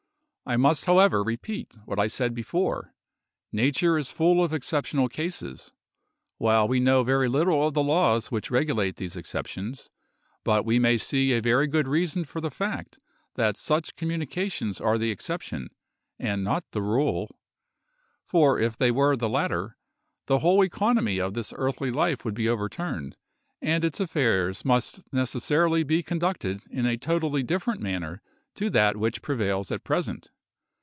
I must, however, repeat what I said before, nature is full of exceptional cases, while we know very little of the laws which regulate these exceptions; but we may see a very good reason for the fact that such communications are the exception, and not the rule; for if they were the latter, the whole economy of this earthly life would be overturned, and its affairs must necessarily be conducted in a totally different manner to that which prevails at present.